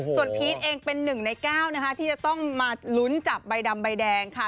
ส่วนพีชเองเป็น๑ใน๙นะคะที่จะต้องมาลุ้นจับใบดำใบแดงค่ะ